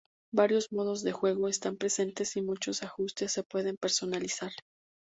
Varios modos de juego están presentes y muchos ajustes se pueden personalizar.